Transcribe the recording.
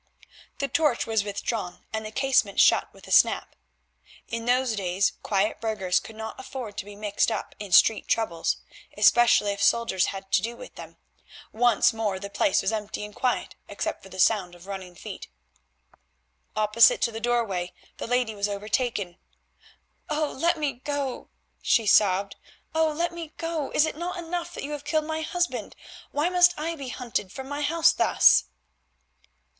The torch was withdrawn and the casement shut with a snap. In those days quiet burghers could not afford to be mixed up in street troubles, especially if soldiers had to do with them. Once more the place was empty and quiet, except for the sound of running feet. Opposite to the doorway the lady was overtaken. "Oh! let me go," she sobbed, "oh! let me go. Is it not enough that you have killed my husband? Why must I be hunted from my house thus?"